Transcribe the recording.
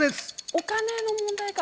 お金の問題か？